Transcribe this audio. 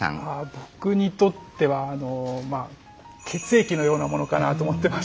僕にとってはあの血液のようなものかなと思ってまして。